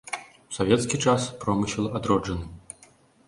У савецкі час промысел адроджаны.